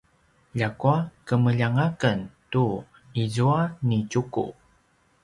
ljakua kemeljang a ken tu izua ni Tjuku